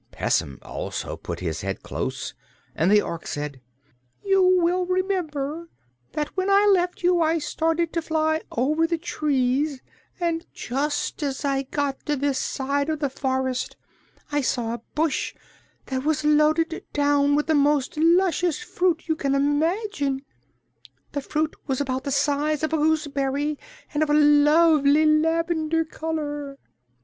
Pessim also put his head close, and the Ork said: "You will remember that when I left you I started to fly over the trees, and just as I got to this side of the forest I saw a bush that was loaded down with the most luscious fruit you can imagine. The fruit was about the size of a gooseberry and of a lovely lavender color.